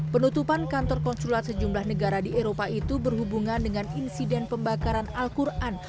penutupan kantor konsulat sejumlah negara di eropa itu berhubungan dengan insiden pembakaran al quran